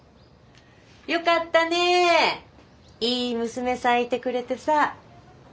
よかったねいい娘さんいてくれてさ。